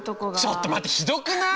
ちょっと待ってひどくない！？